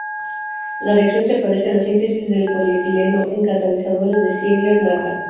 La reacción se parece a la síntesis del polietileno en catalizadores de Ziegler-Nata.